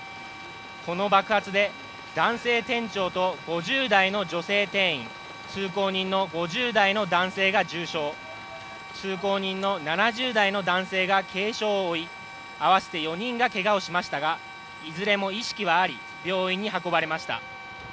この爆発で男性店長と５０代の女性店員、通行人の５０代の男性が重傷通行人の７０代の男性が軽傷を負い合わせて４人がけがをしましたがいずれも意識はあり病院に運ばれました。